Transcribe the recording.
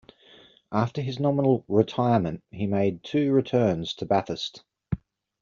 After his nominal 'retirement' he made two returns to Bathurst.